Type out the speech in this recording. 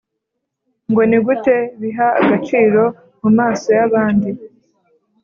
Ngo nigute biha agaciro mu maso yabandi